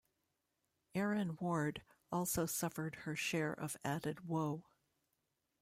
"Aaron Ward" also suffered her share of added woe.